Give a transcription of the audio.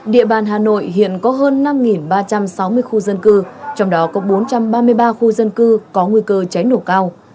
địa bàn hà nội hiện có hơn năm ba trăm sáu mươi khu dân cư trong đó có bốn trăm ba mươi ba khu dân cư có nguy cơ cháy nổ cao